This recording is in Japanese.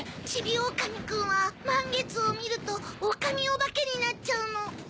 ちびおおかみくんはまんげつをみるとおおかみおばけになっちゃうの。